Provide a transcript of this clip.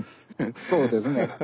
そうですね。